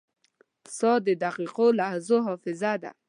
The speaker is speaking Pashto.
• ساعت د دقیقو لحظو حافظه ده.